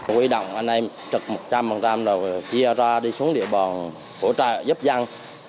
quy động anh em trực một trăm linh rồi chia ra đi xuống địa bòn giúp dân